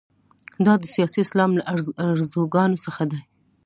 دا د سیاسي اسلام له ارزوګانو څخه دي.